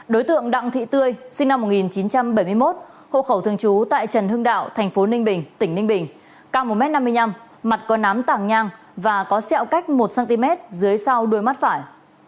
đối tượng đặng thị tươi sinh năm một nghìn chín trăm bảy mươi một hộ khẩu thường trú tại trần hưng đạo thành phố ninh bình tỉnh ninh bình cao một m năm mươi năm mặt có nám tàng nhang và có xẹo cách một cm dưới sau đuôi mắt phải